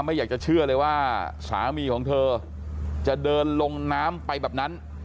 ไม่อยากจะเชื่อเลยว่าสามีของเธอจะเดินลงน้ำไปแบบนั้น